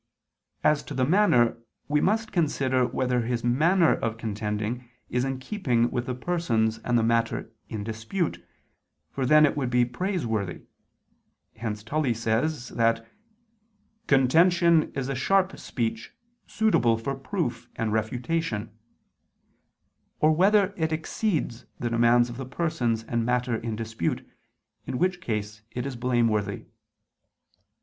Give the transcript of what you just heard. As to the manner, we must consider whether his manner of contending is in keeping with the persons and the matter in dispute, for then it would be praiseworthy, hence Tully says (De Rhet. ad Heren. iii) that "contention is a sharp speech suitable for proof and refutation" or whether it exceeds the demands of the persons and matter in dispute, in which case it is blameworthy.